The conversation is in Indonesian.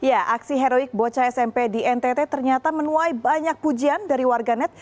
aksi heroik bocca smp di ntt ternyata menuai banyak pujian dari warga net